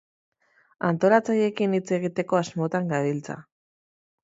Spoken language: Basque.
Antolatzaileekin hitz egiteko asmotan gabiltza.